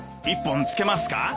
１本つけますか？